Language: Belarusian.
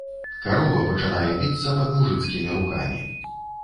Карова пачынае біцца пад мужыцкімі рукамі.